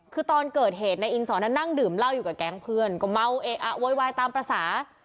คือตอนเกิดเหตุนายอินสอนนั่งดื่มเหล้าอยู่กับแก๊งเพื่อนก็เมาเอะอะโวยวายตามภาษา